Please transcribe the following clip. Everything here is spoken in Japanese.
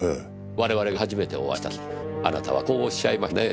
我々が初めてお会いした時あなたはこうおっしゃいましたねぇ。